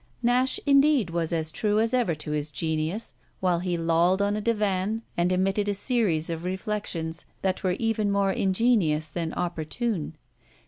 Nash indeed was as true as ever to his genius while he lolled on a divan and emitted a series of reflexions that were even more ingenious than opportune.